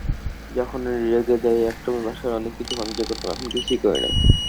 যখন রেগে যাইএকসময় বাসার অনেক কিছু ভাঙচুর করতাম, এখন কিছুই করি না।